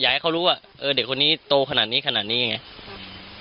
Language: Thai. ให้เขารู้ว่าเออเด็กคนนี้โตขนาดนี้ขนาดนี้ไง